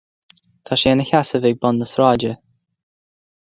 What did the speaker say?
Tá sé ina sheasamh ag bun na sráide.